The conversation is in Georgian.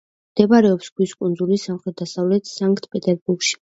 მდებარეობს ქვის კუნძულის სამხრეთ-დასავლეთით, სანქტ-პეტერბურგში.